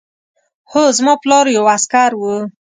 هو زما پلار یو عسکر و